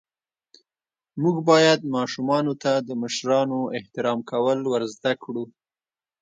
موږ باید ماشومانو ته د مشرانو احترام کول ور زده ڪړو.